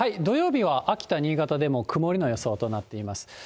土曜日は秋田、新潟でも曇りの予想となっています。